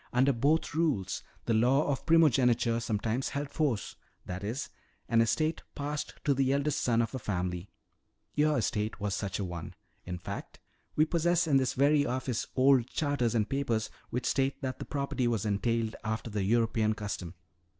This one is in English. Under both rules the law of primogeniture sometimes held force. That is, an estate passed to the eldest son of a family. Your estate was such a one. In fact, we possess in this very office old charters and papers which state that the property was entailed after the European custom.